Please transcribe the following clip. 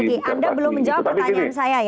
bang mel anda belum menjawab pertanyaan saya ya